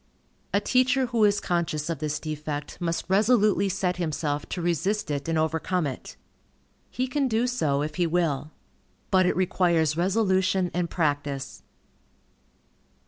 A teacher who is conscious of this defect, must resolutely set himself to resist it and overcome it. He can do so, if he will. But it requires resolution and practice.